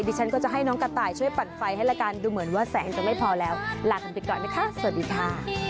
ฉันก็จะให้น้องกระต่ายช่วยปั่นไฟให้ละกันดูเหมือนว่าแสงจะไม่พอแล้วลากันไปก่อนนะคะสวัสดีค่ะ